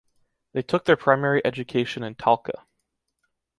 They took their primary education in Talca.